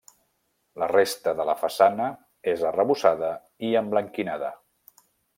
La resta de la façana és arrebossada i emblanquinada.